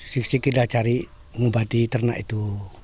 sikit sikit kita cari mengubati ternak itu